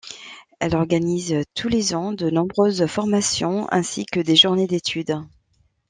Elle organise tous les ans de nombreuses formations ainsi que des journées d'études.